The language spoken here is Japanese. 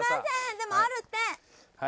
でもあるって。